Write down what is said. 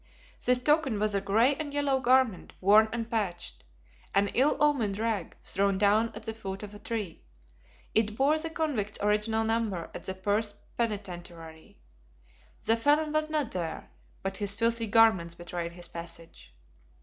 This token was a grey and yellow garment worn and patched, an ill omened rag thrown down at the foot of a tree. It bore the convict's original number at the Perth Penitentiary. The felon was not there, but his filthy garments betrayed his passage.